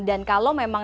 dan kalau memang